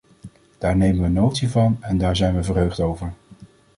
Daar nemen we notitie van en daar zijn we verheugd over.